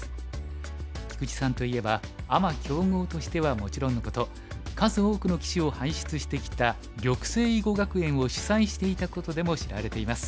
菊池さんといえばアマ強豪としてはもちろんのこと数多くの棋士を輩出してきた緑星囲碁学園を主宰していたことでも知られています。